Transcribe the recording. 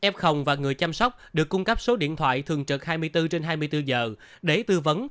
f và người chăm sóc được cung cấp số điện thoại thường trực hai mươi bốn trên hai mươi bốn giờ để tư vấn